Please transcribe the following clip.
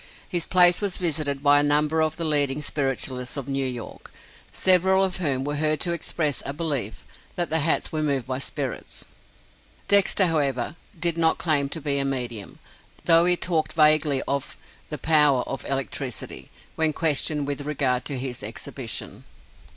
His place was visited by a number of the leading spiritualists of New York, several of whom were heard to express a belief that the hats were moved by spirits! Dexter, however, did not claim to be a medium, though he talked vaguely of "the power of electricity," when questioned with regard to his exhibition.